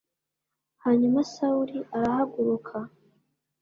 Hanyuma Sawuli arahaguruka